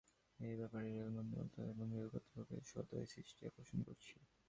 এ ব্যাপারে রেলপথ মন্ত্রণালয় এবং রেল কর্তৃপক্ষের সদয় দৃষ্টি আকর্ষণ করছি।